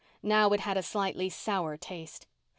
Now it had a slightly sour taste.